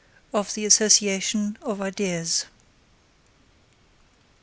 OF THE ASSOCIATION OF IDEAS.